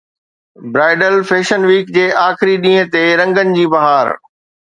bridal fashion week جي آخري ڏينهن تي رنگن جي بهار